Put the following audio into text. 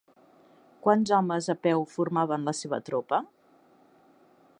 Quants homes a peu formaven la seva tropa?